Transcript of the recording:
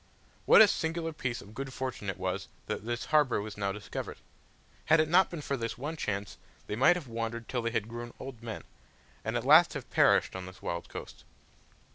What a singular piece of good fortune it was that this harbour was now discovered! Had it not been for this one chance, they might have wandered till they had grown old men, and at last have perished on this wild coast.